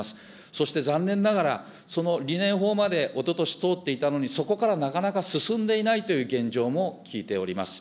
そして残念ながら、その理念法までおととし通っていたのに、そこからなかなか進んでいないという現状も聞いております。